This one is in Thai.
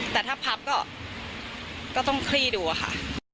แต่ถ้าพับก็ต้องคลี่ดูอะค่ะ